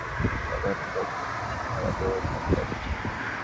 ফলে এখন কয়েক গুণ বেশি ভাড়া দিয়েও ট্রাক পাওয়া যাচ্ছে না।